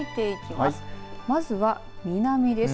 まずは南です。